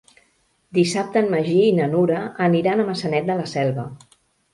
Dissabte en Magí i na Nura aniran a Maçanet de la Selva.